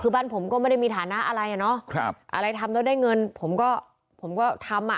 คือบ้านผมก็ไม่ได้มีฐานะอะไรอ่ะเนาะอะไรทำแล้วได้เงินผมก็ผมก็ทำอ่ะ